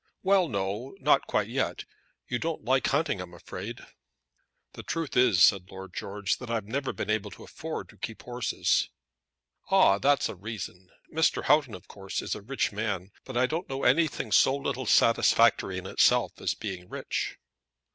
"Well, no; not quite yet. You don't like hunting, I'm afraid?" "The truth is," said Lord George, "that I've never been able to afford to keep horses." "Ah, that's a reason. Mr. Houghton, of course, is a rich man; but I don't know anything so little satisfactory in itself as being rich."